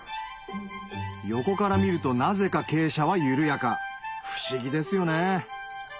横から見るとなぜか傾斜は緩やか不思議ですよね